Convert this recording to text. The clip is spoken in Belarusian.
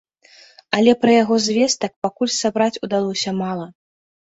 Але пра яго звестак пакуль сабраць удалося мала.